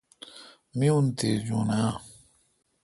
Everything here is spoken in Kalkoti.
مہ ان تھجون اؘ۔